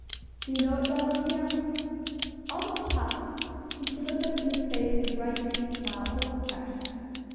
"Do you know it, darling?" he asked. "Almost, papa," and she looked up into his face with a bright, sweet smile, full of affection.